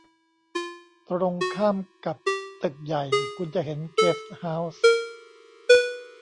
ตรงข้ามกับตึกใหญ่ คุณจะเห็นเกสต์เฮาส์